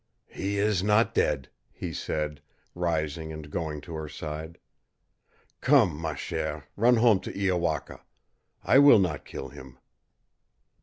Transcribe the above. "He is not dead," he said, rising and going to her side. "Come, ma chère, run home to Iowaka. I will not kill him."